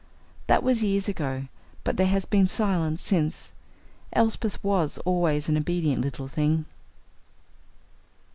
That was years ago, but there has been silence since. Elsbeth was always an obedient little thing.